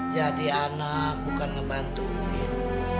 jadi anak bukan ngebantuin